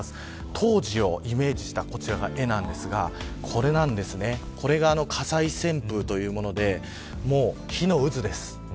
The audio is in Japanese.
当時をイメージした絵なんですがこれが火災旋風というもので火の渦です。